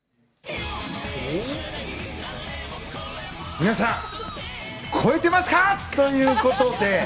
皆さん、超えてますか！ということで。